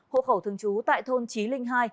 hộ khẩu thường trú tại thôn trí linh hai